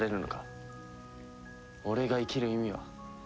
俺が生きる意味は。